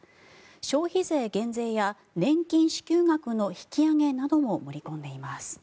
消費税減税や年金支給額の引き上げなども盛り込んでいます。